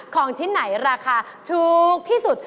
ของที่ไหนราคาถูกที่สุด